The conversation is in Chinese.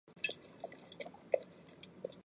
女满别机场则因电力不足宣布关闭。